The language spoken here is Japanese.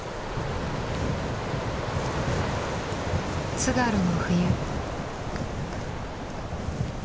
津軽の冬。